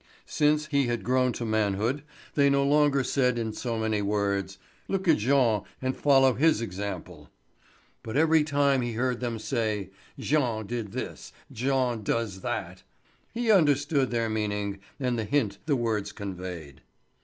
Since he had grown to manhood they no longer said in so many words: "Look at Jean and follow his example," but every time he heard them say "Jean did this—Jean does that," he understood their meaning and the hint the words conveyed.